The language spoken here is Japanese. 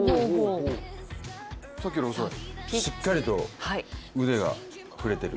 しっかりと腕が振れている。